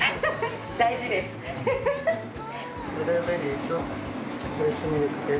大事です。